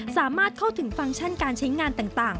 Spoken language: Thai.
สามารถเข้าถึงฟังก์ชั่นการใช้งานต่าง